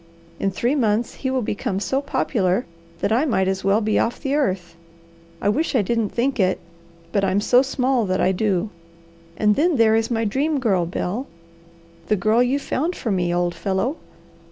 In three months he will become so popular that I might as well be off the earth. I wish I didn't think it, but I'm so small that I do. And then there is my Dream Girl, Bel. The girl you found for me, old fellow.